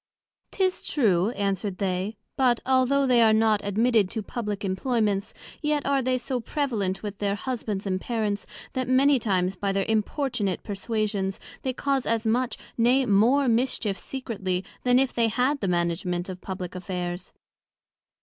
'Tis true, answer'd they; but, although they are not admitted to publick Employments, yet are they so prevalent with their Husbands and Parents, that many times by their importunate perswasions, they cause as much, nay, more mischief secretly, then if they had the management of publick Affairs.